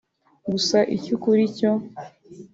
Gusa icy’ukuri cyo